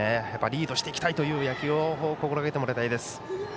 リードしていきたいという野球を心がけてもらいたいです。